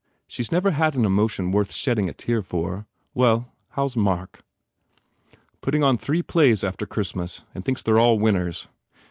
She s never had an emotion worth shedding a tear for. Well, how s Mark?" "Putting on three plays after Christmas and thinks they re all winners."